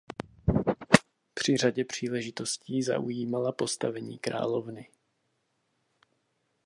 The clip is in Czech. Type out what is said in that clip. Při řadě příležitostí zaujímala postavení královny.